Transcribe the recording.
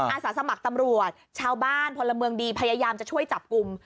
อาสาสมัครตำรวจชาวบ้านพลเมืองดีพยายามจะช่วยจับกลุ่ม